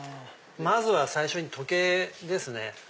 まずは最初に時計ですね。